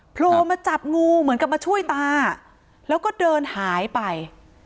โผล่มาจับงูเหมือนกับมาช่วยตาแล้วก็เดินหายไป